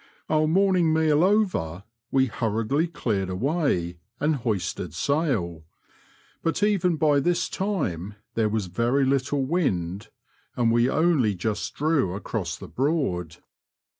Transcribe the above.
Our morning meal over, we hurriedly cleared away and hoisted sail ; but even by this time there was very little wind, and we only just drew across the Broad.